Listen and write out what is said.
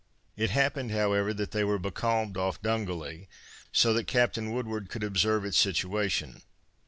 It happened however, that they were becalmed off Dungally, so that Captain Woodward could observe its situation.